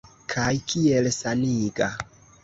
Kaj kiel saniga!